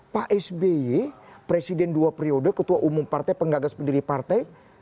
pak sby presiden dua periode ketua umum partai penggagas pendiri partai